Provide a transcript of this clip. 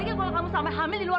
terus nggak diantar pulang sama edo